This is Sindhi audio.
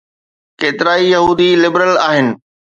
ڪيترائي يهودي لبرل آهن.